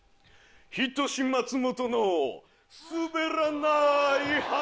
「人志松本のすべらなぁい話」。